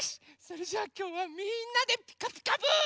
それじゃあきょうはみんなで「ピカピカブ！」。